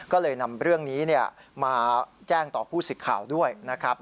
ก็เลยนำเรื่องนี้มาแจ้งต่อผู้สิทธิ์ข่าวด้วยนะครับ